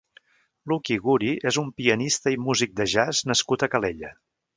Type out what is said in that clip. Lucky Guri és un pianista i músic de jazz nascut a Calella.